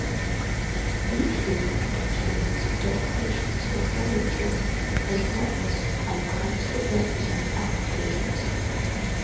Each room contains decorations and furniture, as well as icons that represent applications.